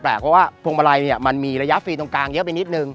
เพราะว่าพวงมาลัยเนี่ยมันมีระยะฟรีตรงกลางเยอะไปนิดนึง